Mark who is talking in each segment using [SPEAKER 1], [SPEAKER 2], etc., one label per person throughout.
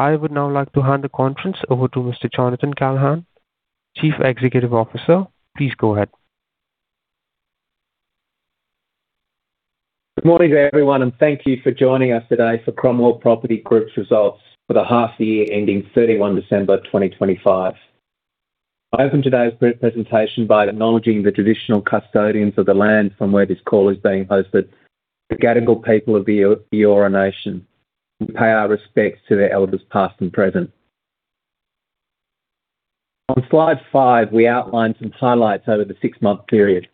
[SPEAKER 1] I would now like to hand the conference over to Mr. Jonathan Callaghan, Chief Executive Officer. Please go ahead.
[SPEAKER 2] Good morning to everyone, thank you for joining us today for Cromwell Property Group's results for the half year ending 31 December 2025. I open today's presentation by acknowledging the traditional custodians of the land from where this call is being hosted, the Gadigal people of the Eora Nation. We pay our respects to their elders, past and present. On slide five, we outlined some highlights over the six-month period.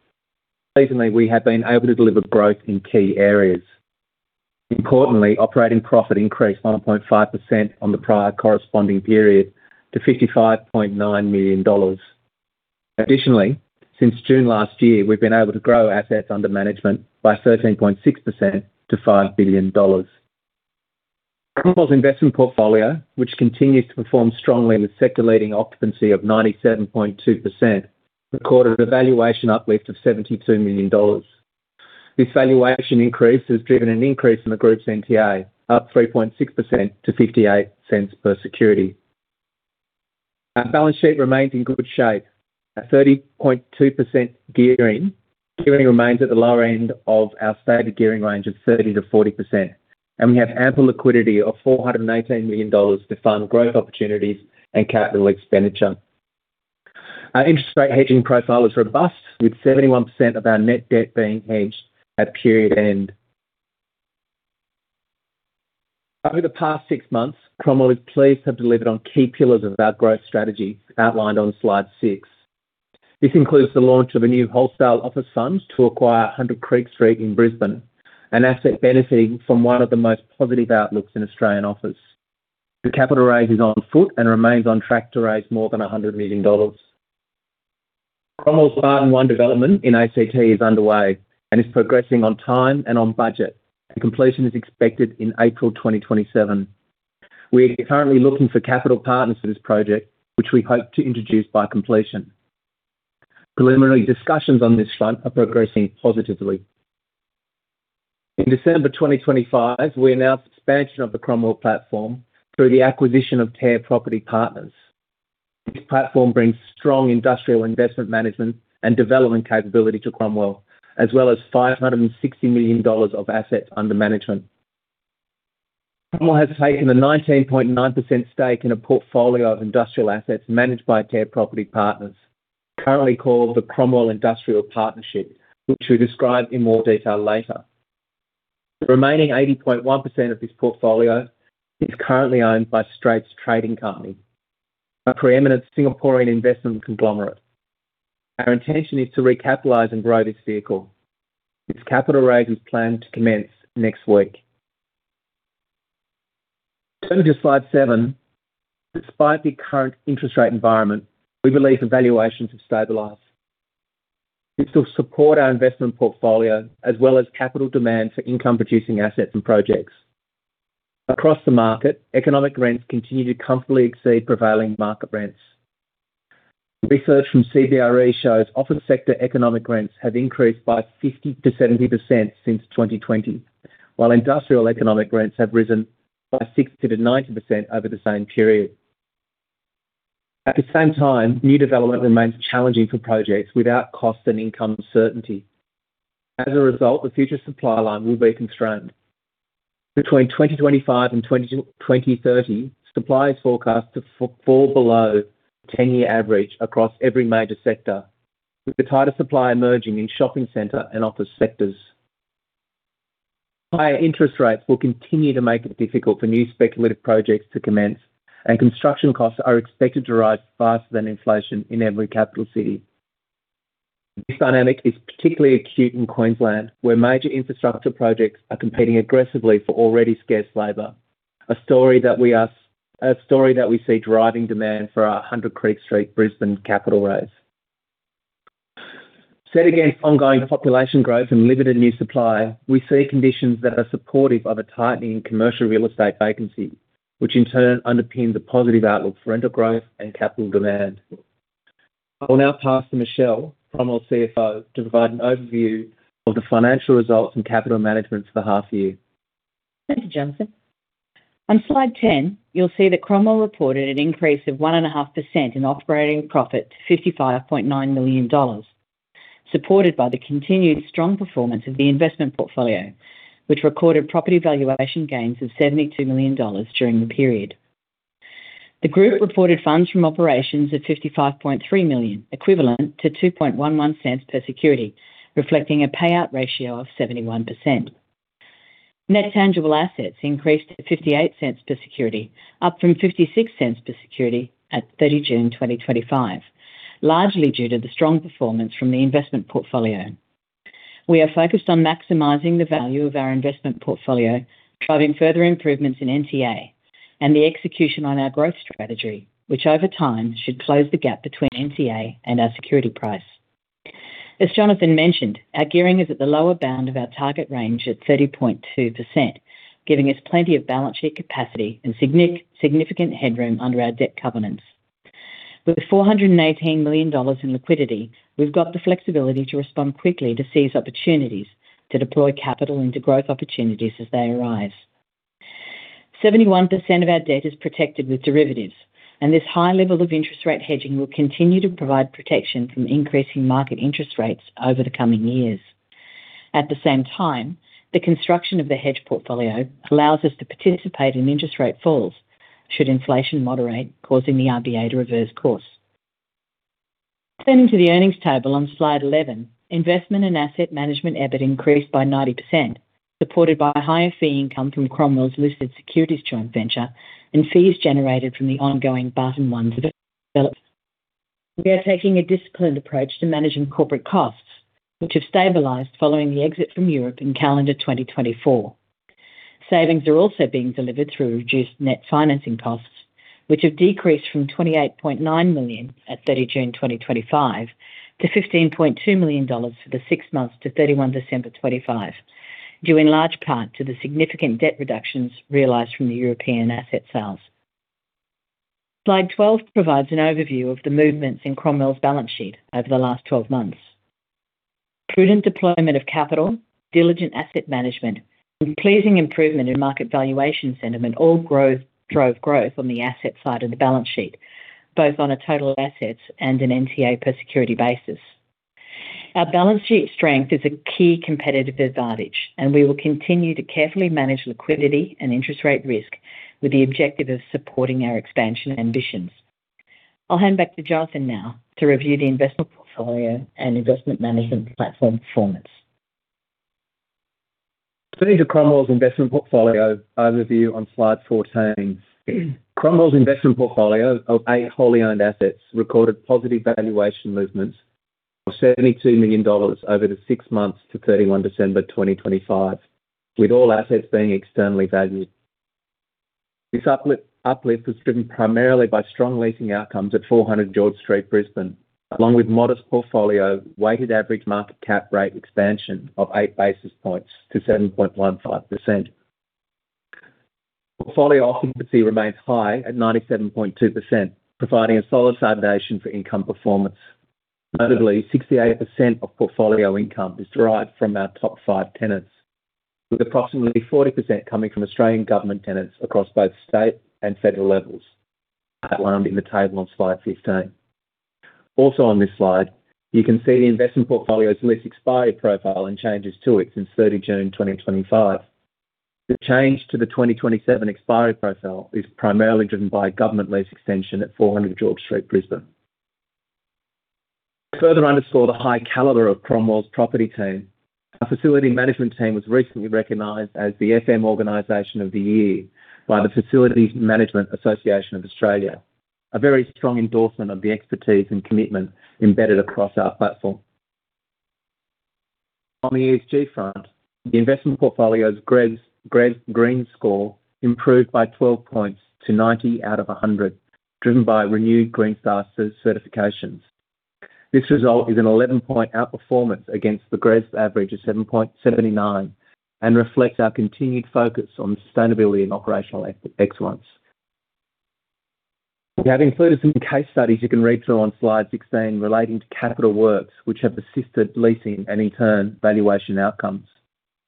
[SPEAKER 2] Recently, we have been able to deliver growth in key areas. Importantly, operating profit increased 1.5% on the prior corresponding period to 55.9 million dollars. Additionally, since June last year, we've been able to grow assets under management by 13.6% to 5 billion dollars. Cromwell's investment portfolio, which continues to perform strongly in the sector, leading occupancy of 97.2%, recorded a valuation uplift of 72 million dollars. This valuation increase has driven an increase in the group's NTA, up 3.6% to 0.58 per security. Our balance sheet remains in good shape, at 30.2% gearing. Gearing remains at the lower end of our stated gearing range of 30%-40%. We have ample liquidity of 418 million dollars to fund growth opportunities and capital expenditure. Our interest rate hedging profile is robust, with 71% of our net debt being hedged at period end. Over the past six months, Cromwell is pleased to have delivered on key pillars of our growth strategy, outlined on slide six. This includes the launch of a new wholesale office fund to acquire 100 Creek Street in Brisbane, an asset benefiting from one of the most positive outlooks in Australian office. The capital raise is on foot and remains on track to raise more than 100 million dollars. Cromwell's Barton 1 development in ACT is underway and is progressing on time and on budget. Completion is expected in April 2027. We're currently looking for capital partners for this project, which we hope to introduce by completion. Preliminary discussions on this front are progressing positively. In December 2025, we announced expansion of the Cromwell platform through the acquisition of Terre Property Partners. This platform brings strong industrial investment management and development capability to Cromwell, as well as 560 million dollars of assets under management. Cromwell has taken a 19.9% stake in a portfolio of industrial assets managed by Terre Property Partners, currently called the Cromwell Industrial Partnership, which we'll describe in more detail later. The remaining 80.1% of this portfolio is currently owned by Straits Trading Company, a preeminent Singaporean investment conglomerate. Our intention is to recapitalize and grow this vehicle. Its capital raise is planned to commence next week. Turning to slide seven, despite the current interest rate environment, we believe valuations have stabilized. This will support our investment portfolio, as well as capital demand for income-producing assets and projects. Across the market, economic rents continue to comfortably exceed prevailing market rents. Research from CBRE shows office sector economic rents have increased by 50%-70% since 2020, while industrial economic rents have risen by 60%-90% over the same period. At the same time, new development remains challenging for projects without cost and income certainty. As a result, the future supply line will be constrained. Between 2025 and 2030, supply is forecast to fall below 10-year average across every major sector, with the tighter supply emerging in shopping center and office sectors. Higher interest rates will continue to make it difficult for new speculative projects to commence, and construction costs are expected to rise faster than inflation in every capital city. This dynamic is particularly acute in Queensland, where major infrastructure projects are competing aggressively for already scarce labor. A story that we see driving demand for our 100 Creek Street, Brisbane capital raise. Set against ongoing population growth and limited new supply, we see conditions that are supportive of a tightening in commercial real estate vacancy, which in turn underpins a positive outlook for rental growth and capital demand. I will now pass to Michelle, Cromwell CFO, to provide an overview of the financial results and capital management for the half year.
[SPEAKER 3] Thank you, Jonathan. On slide 10, you'll see that Cromwell reported an increase of 1.5% in operating profit to 55.9 million dollars, supported by the continued strong performance of the investment portfolio, which recorded property valuation gains of AUD 72 million during the period. The group reported funds from operations of AUD 55.3 million, equivalent to 0.0211 per security, reflecting a payout ratio of 71%. Net tangible assets increased to 0.58 per security, up from 0.56 per security at June 30, 2025, largely due to the strong performance from the investment portfolio. We are focused on maximizing the value of our investment portfolio, driving further improvements in NTA and the execution on our growth strategy, which over time, should close the gap between NTA and our security price. As Jonathan mentioned, our gearing is at the lower bound of our target range at 30.2%, giving us plenty of balance sheet capacity and significant headroom under our debt covenants. With 418 million dollars in liquidity, we've got the flexibility to respond quickly to seize opportunities, to deploy capital into growth opportunities as they arise. Seventy-one percent of our debt is protected with derivatives, this high level of interest rate hedging will continue to provide protection from increasing market interest rates over the coming years. At the same time, the construction of the hedge portfolio allows us to participate in interest rate falls should inflation moderate, causing the RBA to reverse course. Turning to the earnings table on slide 11, investment and asset management EBIT increased by 90%, supported by higher fee income from Cromwell Listed Securities joint venture and fees generated from the ongoing Barton 1 development. We are taking a disciplined approach to managing corporate costs, which have stabilized following the exit from Europe in calendar 2024. Savings are also being delivered through reduced net financing costs, which have decreased from 28.9 million at June 30, 2025, to 15.2 million dollars for the six months to December 31, 2025, due in large part to the significant debt reductions realized from the European asset sales. Slide 12 provides an overview of the movements in Cromwell's balance sheet over the last 12 months. Prudent deployment of capital, diligent asset management, and pleasing improvement in market valuation sentiment, all drove growth on the asset side of the balance sheet, both on a total assets and an NTA per security basis. Our balance sheet strength is a key competitive advantage, and we will continue to carefully manage liquidity and interest rate risk with the objective of supporting our expansion ambitions. I'll hand back to Jonathan now to review the investment portfolio and investment management platform performance.
[SPEAKER 2] Turning to Cromwell's investment portfolio overview on slide 14. Cromwell's investment portfolio of eight wholly owned assets, recorded positive valuation movements of 72 million dollars over the six months to 31 December 2025, with all assets being externally valued. This uplift was driven primarily by strong leasing outcomes at 400 George Street, Brisbane, along with modest portfolio weighted average market cap rate expansion of 8 basis points to 7.15%. Portfolio occupancy remains high at 97.2%, providing a solid foundation for income performance. Notably, 68% of portfolio income is derived from our top five tenants, with approximately 40% coming from Australian government tenants across both state and federal levels, outlined in the table on slide 15. On this slide, you can see the investment portfolio's lease expiry profile and changes to it since 30 June 2025. The change to the 2027 expiry profile is primarily driven by a government lease extension at 400 George Street, Brisbane. To further underscore the high caliber of Cromwell's property team, our facility management team was recently recognized as the FM Organisation of the Year by the Facilities Management Association of Australia. A very strong endorsement of the expertise and commitment embedded across our platform. On the ESG front, the investment portfolio's GRES green score improved by 12 points to 90 out of 100, driven by renewed Green Star certifications. This result is an 11-point outperformance against the GRES average of 7.79, and reflects our continued focus on sustainability and operational excellence. We have included some case studies you can read through on slide 16, relating to capital works, which have assisted leasing and in turn, valuation outcomes.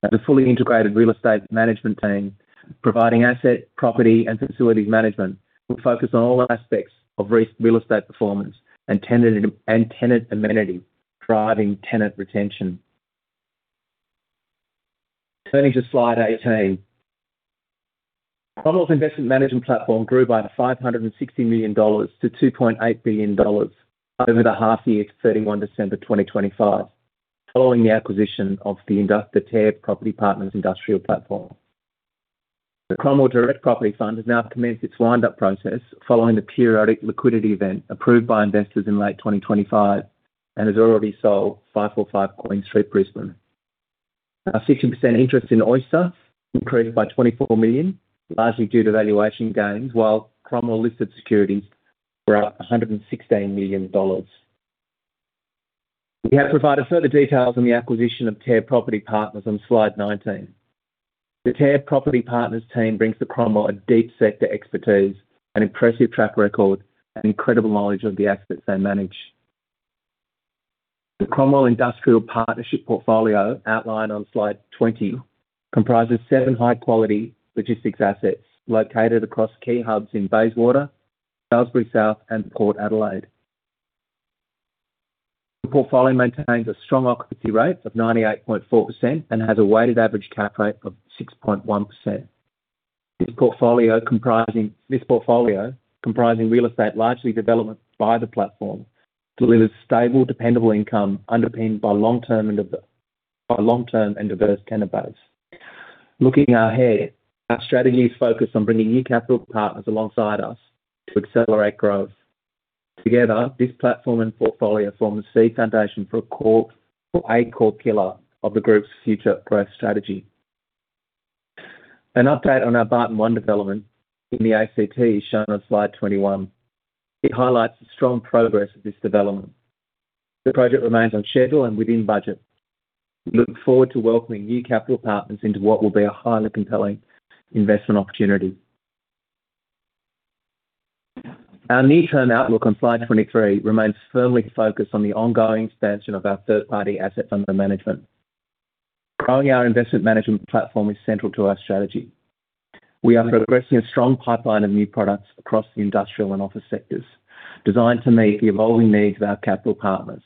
[SPEAKER 2] At the fully integrated real estate management team, providing asset, property, and facilities management, we focus on all aspects of real estate performance and tenant amenity, driving tenant retention. Turning to slide 18. Cromwell's investment management platform grew by 560 million dollars to 2.8 billion dollars over the half year to 31 December 2025, following the acquisition of the Terre Property Partners industrial platform. The Cromwell Direct Property Fund has now commenced its wind-up process following the periodic liquidity event, approved by investors in late 2025, and has already sold 545 Queen Street, Brisbane. Our 50% interest in Oyster increased by 24 million, largely due to valuation gains, while Cromwell Listed Securities were 116 million dollars. We have provided further details on the acquisition of Terre Property Partners on slide 19. The Terre Property Partners team brings to Cromwell a deep sector expertise, an impressive track record, and incredible knowledge of the assets they manage. The Cromwell Industrial Partnership portfolio, outlined on slide 20, comprises seven high-quality logistics assets located across key hubs in Bayswater, Salisbury South, and Port Adelaide. The portfolio maintains a strong occupancy rate of 98.4% and has a weighted average cap rate of 6.1%. This portfolio, comprising real estate, largely developments by the platform, delivers stable, dependable income underpinned by long-term and by long-term and diverse tenant base. Looking ahead, our strategy is focused on bringing new capital partners alongside us to accelerate growth. Together, this platform and portfolio form the seed foundation for a core pillar of the group's future growth strategy. An update on our Barton 1 development in the ACT is shown on slide 21. It highlights the strong progress of this development. The project remains on schedule and within budget. We look forward to welcoming new capital partners into what will be a highly compelling investment opportunity. Our near-term outlook on slide 23 remains firmly focused on the ongoing expansion of our third-party assets under management. Growing our investment management platform is central to our strategy. We are progressing a strong pipeline of new products across the industrial and office sectors, designed to meet the evolving needs of our capital partners,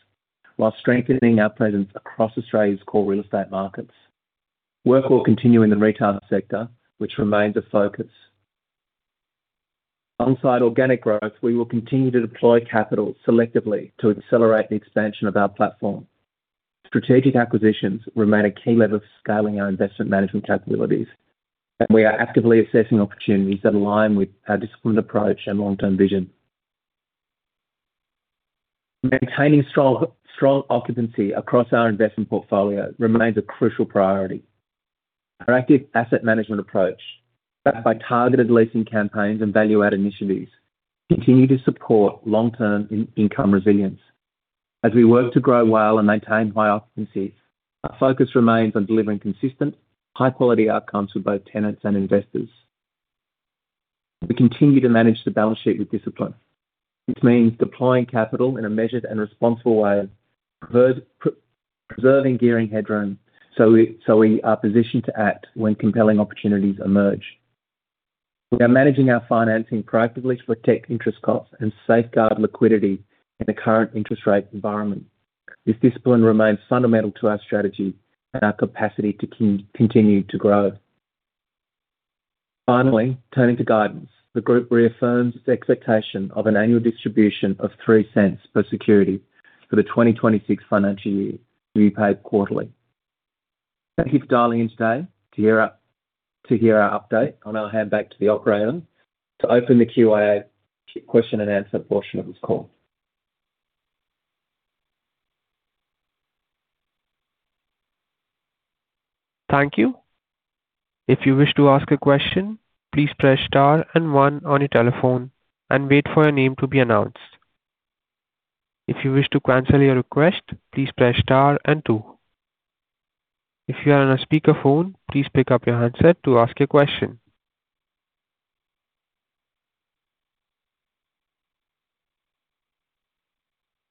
[SPEAKER 2] while strengthening our presence across Australia's core real estate markets. Work will continue in the retail sector, which remains a focus. Alongside organic growth, we will continue to deploy capital selectively to accelerate the expansion of our platform. Strategic acquisitions remain a key lever for scaling our investment management capabilities, and we are actively assessing opportunities that align with our disciplined approach and long-term vision. Maintaining strong occupancy across our investment portfolio remains a crucial priority. Our active asset management approach, backed by targeted leasing campaigns and value-add initiatives, continue to support long-term income resilience. As we work to grow WALE and maintain high occupancies, our focus remains on delivering consistent, high-quality outcomes for both tenants and investors. We continue to manage the balance sheet with discipline, which means deploying capital in a measured and responsible way, preserving gearing headroom, so we are positioned to act when compelling opportunities emerge. We are managing our financing proactively to protect interest costs and safeguard liquidity in the current interest rate environment. This discipline remains fundamental to our strategy and our capacity to continue to grow. Finally, turning to guidance, the group reaffirms its expectation of an annual distribution of 0.03 per security for the 2026 financial year, to be paid quarterly. Thank you for dialing in today to hear our update. I'll now hand back to the operator to open the question and answer portion of this call.
[SPEAKER 1] Thank you. If you wish to ask a question, please press star one on your telephone and wait for your name to be announced. If you wish to cancel your request, please press star two. If you are on a speakerphone, please pick up your handset to ask a question.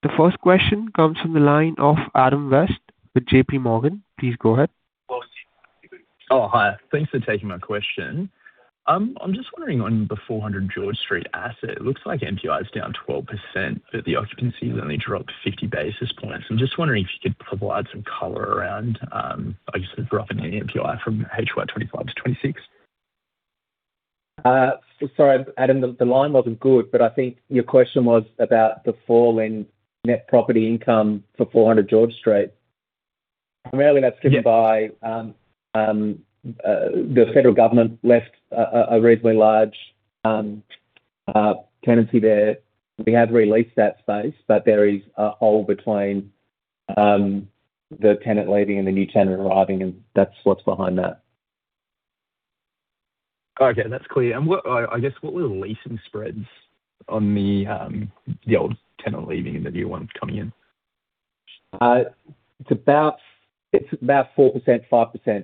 [SPEAKER 1] The first question comes from the line of Adam Hirsch with JPMorgan. Please go ahead.
[SPEAKER 4] Oh, hi. Thanks for taking my question. I'm just wondering, on the 400 George Street asset, it looks like NPI is down 12%, but the occupancy has only dropped 50 basis points. I'm just wondering if you could provide some color around, I guess, the drop in the NPI from HY 2025 to 2026.
[SPEAKER 2] Sorry, Adam, the line wasn't good, I think your question was about the fall in net property income for 400 George Street. Primarily, that's driven by the federal government left a reasonably large tenancy there. We have re-leased that space. There is a hole between the tenant leaving and the new tenant arriving, and that's what's behind that.
[SPEAKER 4] Okay, that's clear. I guess, what were the leasing spreads on the old tenant leaving and the new one coming in?
[SPEAKER 2] It's about 4%, 5%.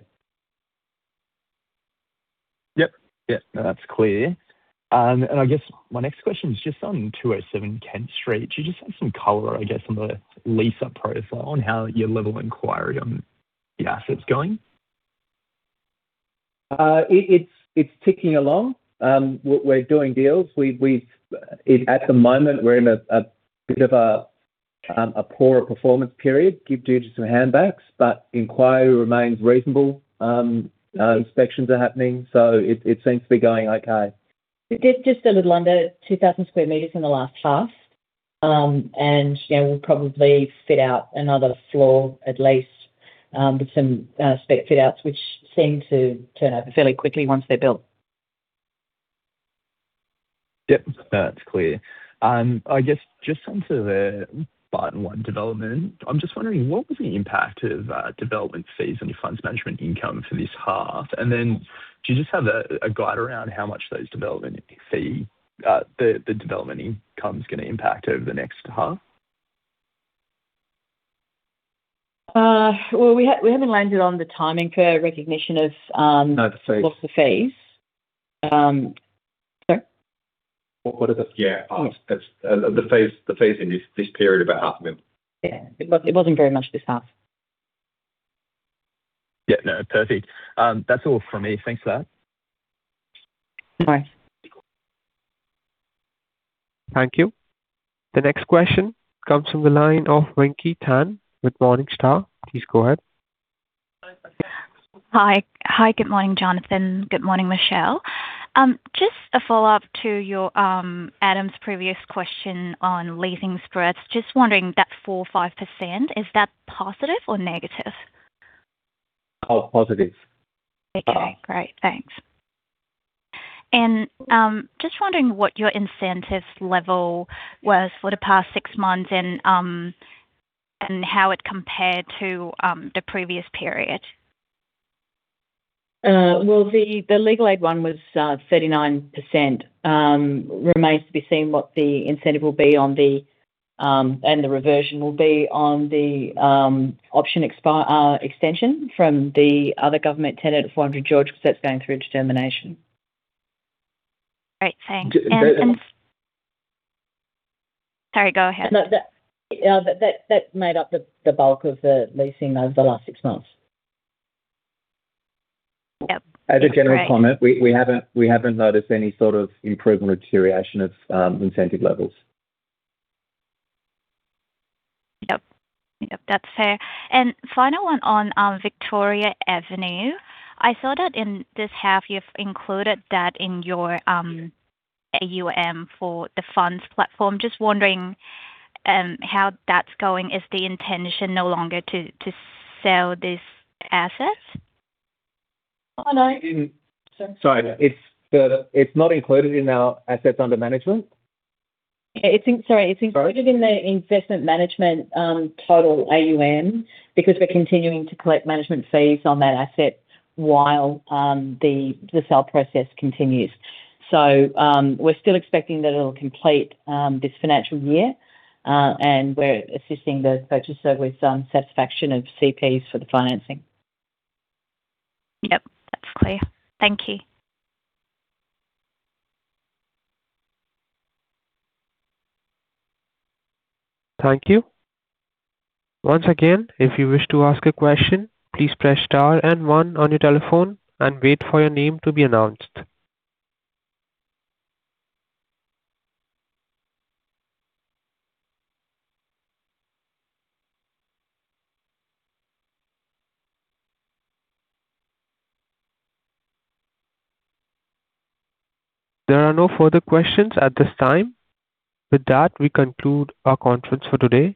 [SPEAKER 4] Yep. Yeah, that's clear. I guess my next question is just on 207 Kent Street. Do you just have some color, I guess, on the lease-up profile and how your level of inquiry on the asset's going?
[SPEAKER 2] It's ticking along. We're doing deals. At the moment, we're in a bit of a poorer performance period, give due to some handbacks, but inquiry remains reasonable. Inspections are happening, so it seems to be going okay.
[SPEAKER 3] We did just a little under 2,000 sq m in the last half. You know, we'll probably fit out another floor, at least, with some fit outs, which seem to turn over fairly quickly once they're built.
[SPEAKER 4] Yep, that's clear. I guess, just onto the Barton 1 development, I'm just wondering, what was the impact of development fees on your funds management income for this half? Do you just have a guide around how much those development fee, the development income is gonna impact over the next half?
[SPEAKER 3] Well, we haven't landed on the timing for recognition of what's the fees?.
[SPEAKER 4] What are the, yeah, it's the fees in this period about half of them.
[SPEAKER 3] Yeah. It was, it wasn't very much this half.
[SPEAKER 4] Yeah, no, perfect. That's all from me. Thanks for that.
[SPEAKER 3] Bye.
[SPEAKER 1] Thank you. The next question comes from the line of Winky Tan with Morningstar. Please go ahead.
[SPEAKER 5] Hi, good morning, Jonathan. Good morning, Michelle. Just a follow-up to your Adam's previous question on leasing spreads. Just wondering, that 4, 5%, is that positive or negative?
[SPEAKER 2] Oh, positive.
[SPEAKER 5] Okay, great. Thanks. Just wondering what your incentive level was for the past six months and how it compared to the previous period?
[SPEAKER 3] The Legal Aid one was 39%. Remains to be seen what the incentive will be on the, and the reversion will be on the, option extension from the other government tenant at 400 George, because that's going through to termination.
[SPEAKER 5] Great, thanks.
[SPEAKER 2] The, the-
[SPEAKER 5] Sorry, go ahead.
[SPEAKER 3] No, that made up the bulk of the leasing over the last six months.
[SPEAKER 5] Yep.
[SPEAKER 2] As a general comment, we haven't noticed any sort of improvement or deterioration of incentive levels.
[SPEAKER 5] Yep. Yep, that's fair. Final one on Victoria Avenue. I saw that in this half, you've included that in your AUM for the funds platform. Just wondering how that's going. Is the intention no longer to sell this asset?
[SPEAKER 3] Oh, no.
[SPEAKER 2] Sorry, It's not included in our assets under management.
[SPEAKER 3] Yeah, sorry. It's included in the investment management, total AUM because we're continuing to collect management fees on that asset while the sale process continues. We're still expecting that it'll complete this financial year, and we're assisting the purchaser with satisfaction of CPs for the financing.
[SPEAKER 5] Yep, that's clear. Thank you.
[SPEAKER 1] Thank you. Once again, if you wish to ask a question, please press star and one on your telephone and wait for your name to be announced. There are no further questions at this time. With that, we conclude our conference for today.